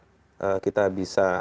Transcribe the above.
kita menunggu kita bisa menunggu